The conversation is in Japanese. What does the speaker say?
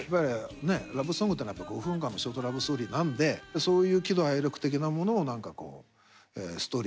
ラブソングってのは５分間のショートラブストーリーなんでそういう喜怒哀楽的なものをストーリーとして歌えたら。